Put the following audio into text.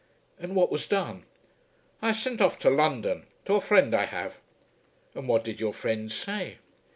"And what was done?" "I sent off to London, to a friend I have." "And what did your friend say?"